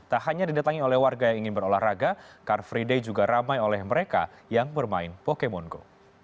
tak hanya didatangi oleh warga yang ingin berolahraga car free day juga ramai oleh mereka yang bermain pokemon go